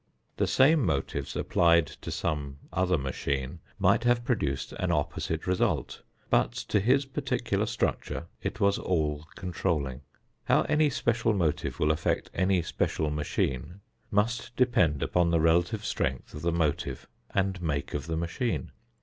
The same motives applied to some other machine might have produced an opposite result, but to his particular structure it was all controlling. How any special motive will affect any special machine must depend upon the relative strength of the motive and make of the machine.